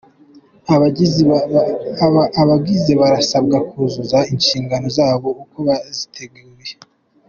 Abagize barasabwa kuzuza inshingano zabo uko baziteguye